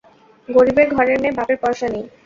গরিবের ঘরের মেয়ে, বাপের পয়সা নেই।